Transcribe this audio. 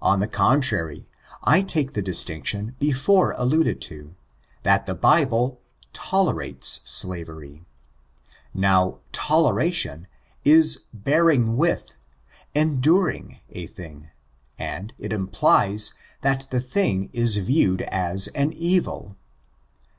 On the contrary, I take the distinction before alluded to, tliat the Bible tolerates slavery. Now, toleration is hearing with — enduring a thing; and it implies, that the thing is viewed as an evil.